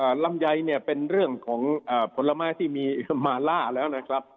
ลำไยเนี่ยเป็นเรื่องของอ่าผลไม้ที่มีมาล่าแล้วนะครับ